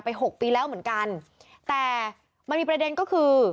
หกปีแล้วเหมือนกันแต่มันมีประเด็นก็คือ